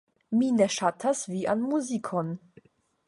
Mi ne ŝatas vian muzikon.